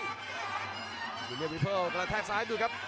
วิลเลี่ยมวิฟเฟิร์ลกำลังแท็กซ้ายดูครับ